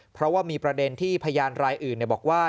เพราะว่ามีประเด็นที่พยานรายอื่นบอกว่า